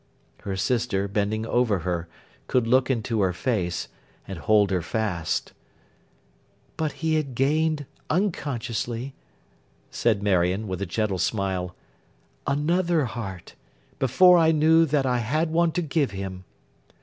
Her sister, bending over her, could look into her face, and hold her fast. 'But he had gained, unconsciously,' said Marion, with a gentle smile, 'another heart, before I knew that I had one to give him.